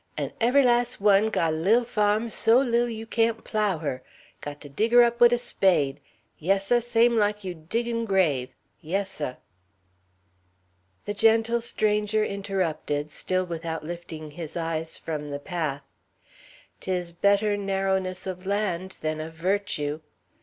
An' ev'y las' one got a lil fahm so lil you can't plow her; got dig her up wid a spade. Yes, seh, same like you diggin' grave; yes, seh." Raccoon. During the war. The gentle stranger interrupted, still without lifting his eyes from the path. "'Tis better narrowness of land than of virtue."